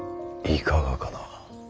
いかがかな。